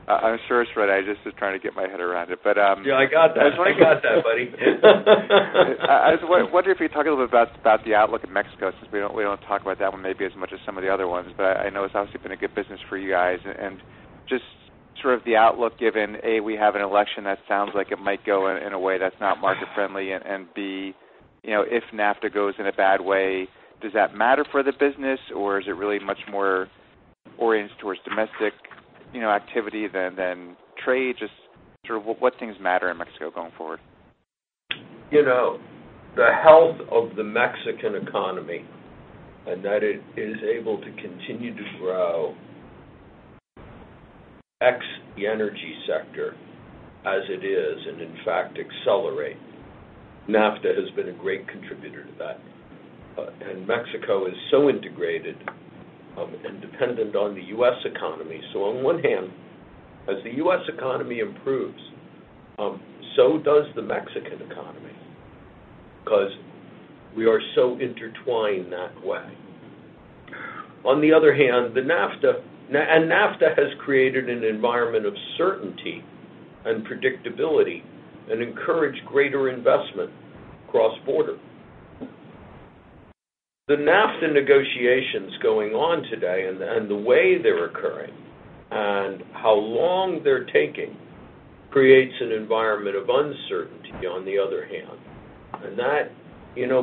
I'm sure it's right. I just was trying to get my head around it. Yeah, I got that. I got that, buddy. I was wondering if you could talk a little bit about the outlook in Mexico, since we don't talk about that one maybe as much as some of the other ones. I know it's obviously been a good business for you guys, and just sort of the outlook given, A, we have an election that sounds like it might go in a way that's not market friendly, and B, if NAFTA goes in a bad way, does that matter for the business, or is it really much more oriented towards domestic activity than trade? Just sort of what things matter in Mexico going forward? The health of the Mexican economy, and that it is able to continue to grow, ex the energy sector as it is, and in fact accelerate. NAFTA has been a great contributor to that. Mexico is so integrated and dependent on the U.S. economy. On one hand, as the U.S. economy improves, so does the Mexican economy, because we are so intertwined that way. On the other hand, the NAFTA has created an environment of certainty and predictability and encouraged greater investment cross-border. The NAFTA negotiations going on today and the way they're occurring and how long they're taking creates an environment of uncertainty on the other hand. That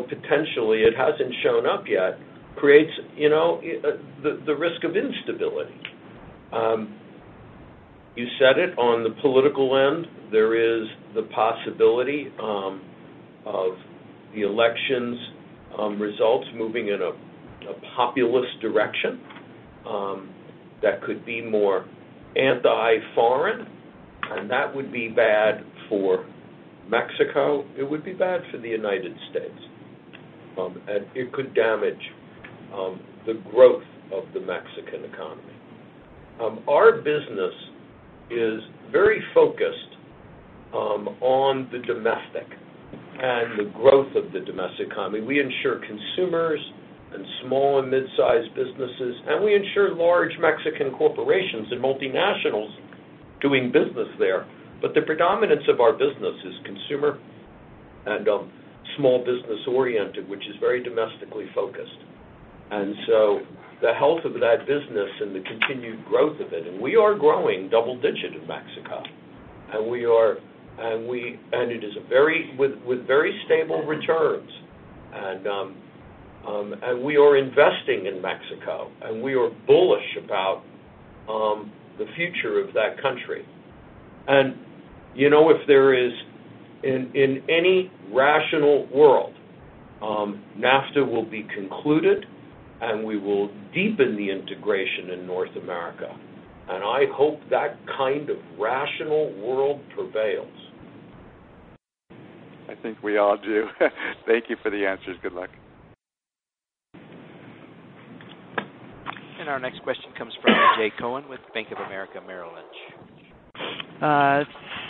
potentially, it hasn't shown up yet, creates the risk of instability. You said it, on the political end, there is the possibility of the election's results moving in a populist direction that could be more anti-foreign, that would be bad for Mexico. It would be bad for the United States. It could damage the growth of the Mexican economy. Our business is very focused on the domestic and the growth of the domestic economy. We insure consumers and small and mid-sized businesses, and we insure large Mexican corporations and multinationals doing business there. The predominance of our business is consumer and small business oriented, which is very domestically focused. The health of that business and the continued growth of it, and we are growing double-digit in Mexico. It is with very stable returns. We are investing in Mexico, and we are bullish about the future of that country. If there is, in any rational world, NAFTA will be concluded, we will deepen the integration in North America. I hope that kind of rational world prevails. I think we all do. Thank you for the answers. Good luck. Our next question comes from Jay Cohen with Bank of America Merrill Lynch.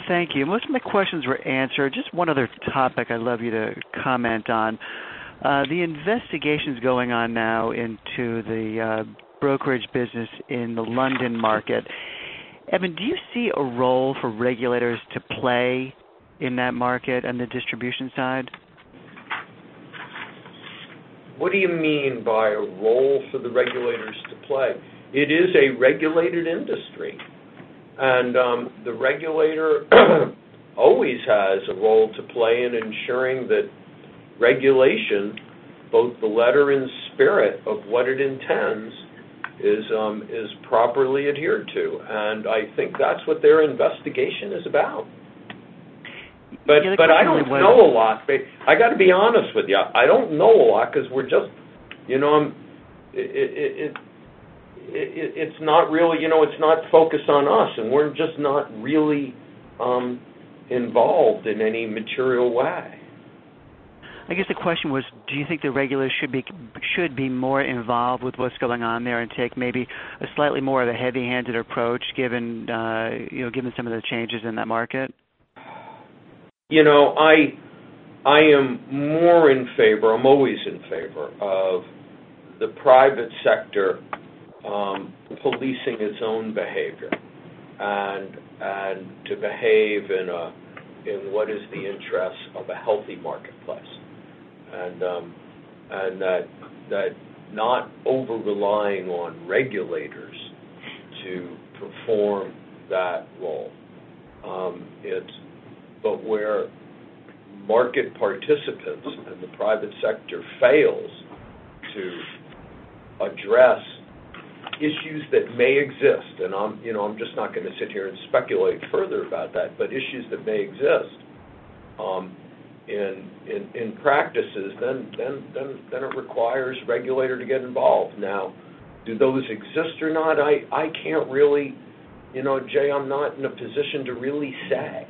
Thank you. Most of my questions were answered. Just one other topic I'd love you to comment on. The investigations going on now into the brokerage business in the London market. Evan, do you see a role for regulators to play in that market on the distribution side? What do you mean by a role for the regulators to play? It is a regulated industry. The regulator always has a role to play in ensuring that regulation, both the letter and spirit of what it intends, is properly adhered to. I think that's what their investigation is about. I don't know a lot. I got to be honest with you, I don't know a lot because it's not focused on us, and we're just not really involved in any material way. I guess the question was, do you think the regulators should be more involved with what's going on there and take maybe a slightly more of a heavy-handed approach, given some of the changes in that market? I am more in favor, I'm always in favor of the private sector policing its own behavior, and to behave in what is the interest of a healthy marketplace. That not over-relying on regulators to perform that role. Where market participants and the private sector fails to address issues that may exist, and I'm just not going to sit here and speculate further about that, but issues that may exist in practices, then it requires a regulator to get involved. Now, do those exist or not? Jay, I'm not in a position to really say.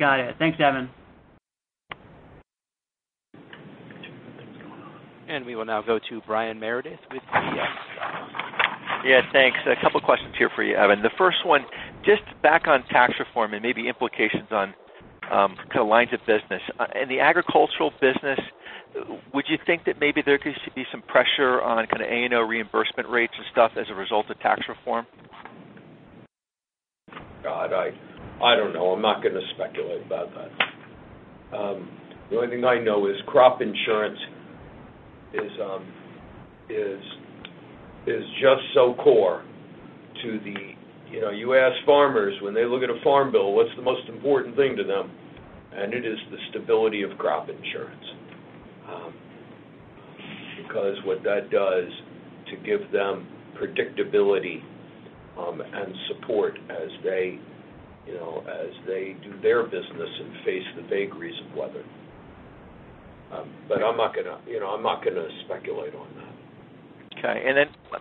Got it. Thanks, Evan. We will now go to Brian Meredith with UBS. Yeah, thanks. A couple questions here for you, Evan. The first one, just back on tax reform and maybe implications on lines of business. In the agricultural business, would you think that maybe there could be some pressure on A&H reimbursement rates and stuff as a result of tax reform? God, I don't know. I'm not going to speculate about that. The only thing I know is crop insurance is just so core to the-- You ask farmers, when they look at a farm bill, what's the most important thing to them? It is the stability of crop insurance. What that does to give them predictability and support as they do their business and face the vagaries of weather. I'm not going to speculate on that. Okay.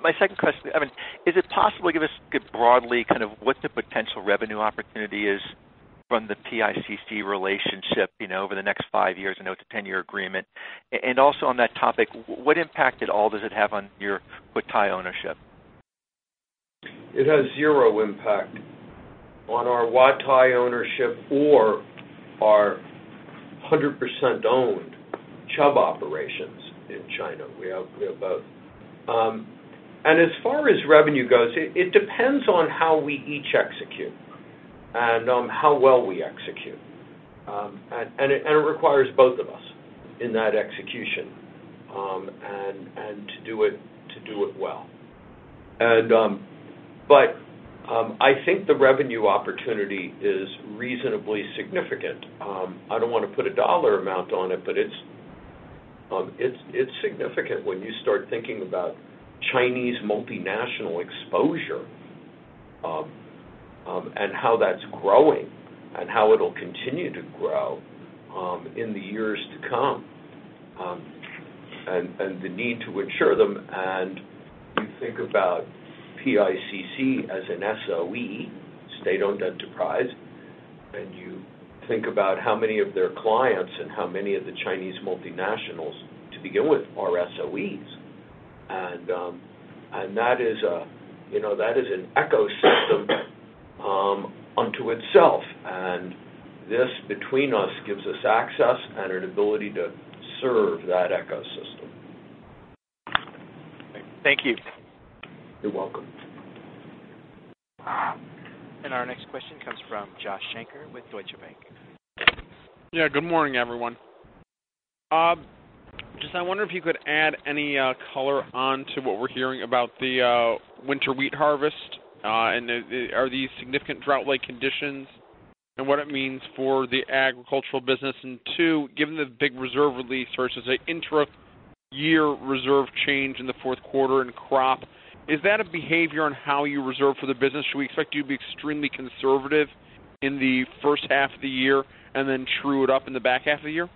My second question, Evan, is it possible to give us broadly what the potential revenue opportunity is from the PICC relationship over the next five years? I know it's a 10-year agreement. Also on that topic, what impact at all does it have on your Huatai ownership? It has zero impact on our Huatai ownership or our 100% owned Chubb operations in China. We have both. As far as revenue goes, it depends on how we each execute and on how well we execute. It requires both of us in that execution, and to do it well. I think the revenue opportunity is reasonably significant. I don't want to put a dollar amount on it, but it's significant when you start thinking about Chinese multinational exposure, and how that's growing and how it'll continue to grow in the years to come, and the need to insure them. You think about PICC as an SOE, state-owned enterprise, and you think about how many of their clients and how many of the Chinese multinationals to begin with are SOEs. That is an ecosystem unto itself, and this between us gives us access and an ability to serve that ecosystem. Thank you. You're welcome. Our next question comes from Joshua Shanker with Deutsche Bank. Good morning, everyone. Just I wonder if you could add any color onto what we're hearing about the winter wheat harvest, and are these significant drought-like conditions, and what it means for the agricultural business. 2, given the big reserve release versus an intra-year reserve change in the fourth quarter in crop, is that a behavior on how you reserve for the business? Should we expect you to be extremely conservative in the first half of the year and then true it up in the back half of the year?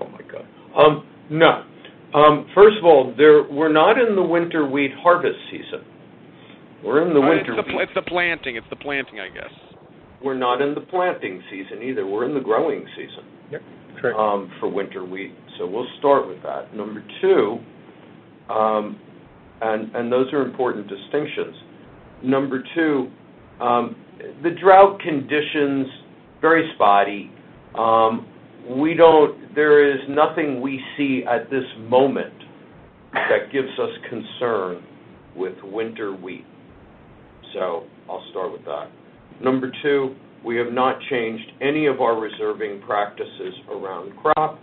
Oh my God. No. First of all, we're not in the winter wheat harvest season. We're in the winter wheat- It's the planting, I guess. We're not in the planting season either. We're in the growing season- Yep, true for winter wheat. We'll start with that. Those are important distinctions. Number 2, the drought condition's very spotty. There is nothing we see at this moment that gives us concern with winter wheat. I'll start with that. Number 2, we have not changed any of our reserving practices around crop.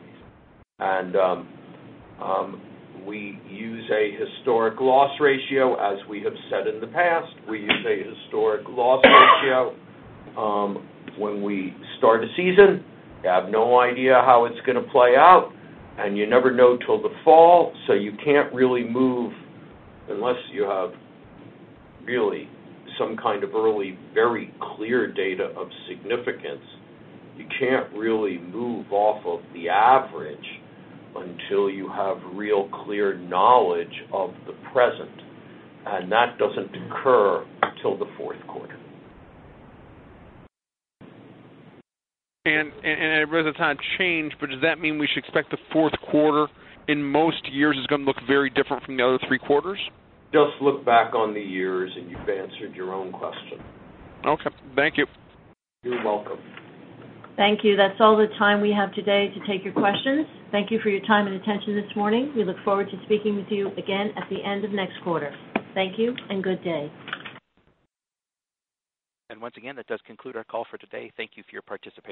We use a historic loss ratio, as we have said in the past. We use a historic loss ratio when we start a season. You have no idea how it's going to play out, and you never know till the fall, so you can't really move unless you have really some kind of early, very clear data of significance. You can't really move off of the average until you have real clear knowledge of the present, and that doesn't occur until the fourth quarter. I realize it's not changed, but does that mean we should expect the fourth quarter in most years is going to look very different from the other three quarters? Just look back on the years, and you've answered your own question. Okay. Thank you. You're welcome. Thank you. That's all the time we have today to take your questions. Thank you for your time and attention this morning. We look forward to speaking with you again at the end of next quarter. Thank you and good day. Once again, that does conclude our call for today. Thank you for your participation.